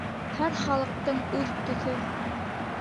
Һәр халыҡтың үҙ төҫө.